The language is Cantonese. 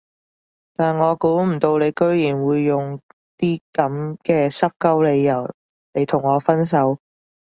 但我估唔到你居然會用啲噉嘅濕鳩理由嚟同我分手